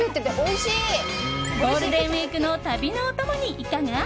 ゴールデンウィークの旅のお供にいかが？